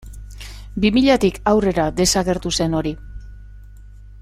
Bi milatik aurrera desagertu zen hori.